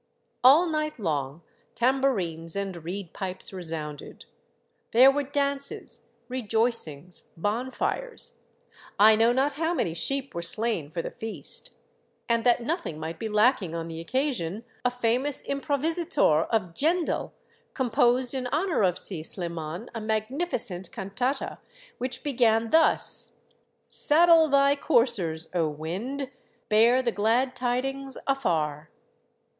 All night long, tambourines and reed pipes resounded. There were dances, rejoicings, bonfires; I know not how many sheep were slain for the feast ; and that noth ing might be lacking on the occasion, a famous im provisator of Djendel composed in honor of Si Sliman a magnificent cantata which began thus :" Saddle thy coursers, O Wind ! Bear the glad tidings afar